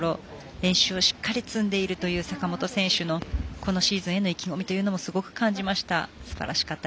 練習をしっかり積んでいるという坂本選手のシーズンへの意気込みというのをすごく感じました。